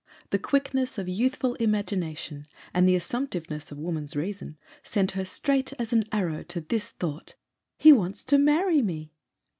The quickness of youthful imagination, and the assumptiveness of woman's reason, sent her straight as an arrow this thought: 'He wants to marry me!